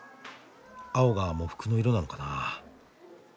青が喪服の色なのかな。